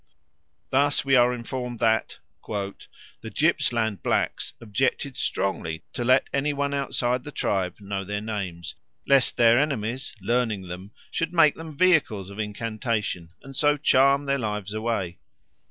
Thus we are informed that "the Gippsland blacks objected strongly to let any one outside the tribe know their names, lest their enemies, learning them, should make them vehicles of incantation, and so charm their lives away.